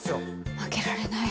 負けられない。